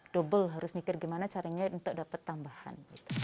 double harus mikir gimana caranya untuk dapat tambahan